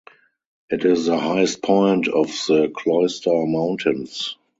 It is the highest point of the Cloister Mountains.